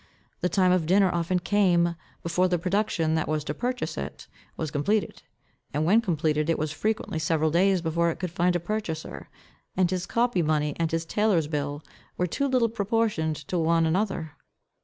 The time of dinner often came, before the production that was to purchase it was completed; and when completed, it was frequently several days before it could find a purchaser. And his copy money and his taylor's bill were too little proportioned to one another.